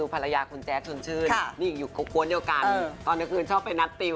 โทษนะครับอย่าว่าจริงฉันสนิทข้อพบคนลูกเหมือนมิเนียน